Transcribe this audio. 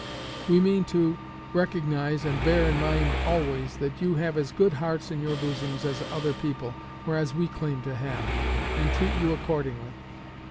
We mean to recognize and bear in mind always, that you have as good hearts in your bosoms as other people, or as we claim to have, and treat you accordingly.